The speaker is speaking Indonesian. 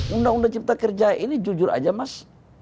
undang undang cipta kerja ini jujur aja mas